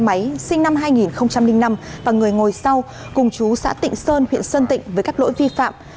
xe máy sinh năm hai nghìn năm và người ngồi sau cùng chú xã tịnh sơn huyện sơn tịnh với các lỗi vi phạm